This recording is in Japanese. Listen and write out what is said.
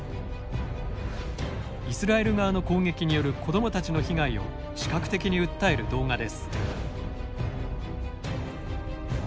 イスラエル側の攻撃による子どもたちの被害を視覚的に訴える動画です。